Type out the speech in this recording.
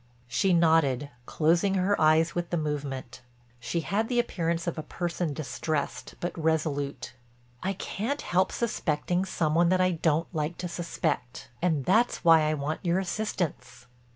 She nodded, closing her eyes with the movement. She had the appearance of a person distressed but resolute. "I can't help suspecting some one that I don't like to suspect. And that's why I want your assistance."